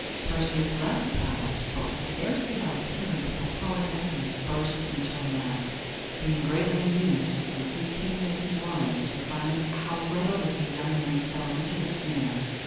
Perseus left the palace, but was scarcely out of hearing before Polydectes burst into a laugh; being greatly amused, wicked king that he was, to find how readily the young man fell into the snare.